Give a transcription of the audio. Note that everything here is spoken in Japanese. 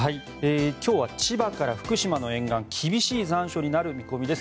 今日は千葉から福島の沿岸厳しい残暑になる見込みです。